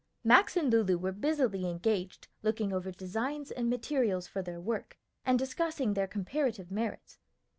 Max and Lulu were busily engaged looking over designs and materials for their work, and discussing their comparative merits.